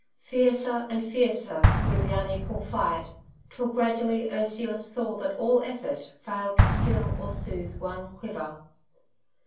Fiercer and fiercer grew the unequal fight, till gradually Ursula saw that all effort failed to still or soothe one quiver.